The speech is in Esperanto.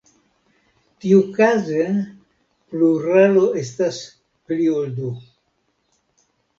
Tiukaze, pluralo estas "pli ol du".